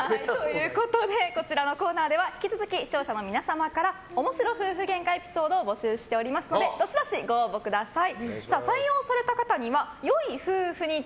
こちらのコーナーでは引き続き視聴者の皆様から面白夫婦げんかエピソードを募集しておりますのでどしどしご応募ください。